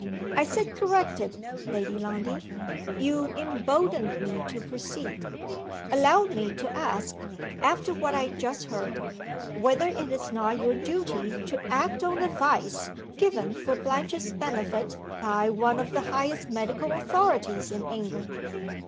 "I sit corrected, Lady Lundie. You embolden me to proceed. Allow me to ask (after what I just heard) whether it is not your duty to act on advice given for Blanche's benefit, by one the highest medical authorities in England?"